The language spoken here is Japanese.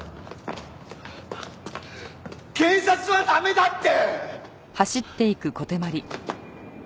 警察は駄目だって！